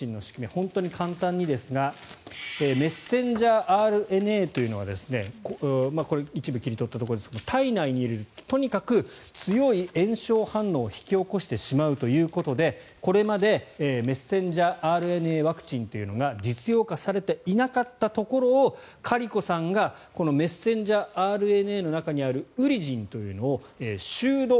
本当に簡単にですがメッセンジャーＲＮＡというのはこれは一部切り取ったところですが体内にいるとにかく強い炎症反応を引き起こしてしまうということでこれまでメッセンジャーＲＮＡワクチンというのが実用化されていなかったところをカリコさんがメッセンジャーＲＮＡの中にあるウリジンというのをシュード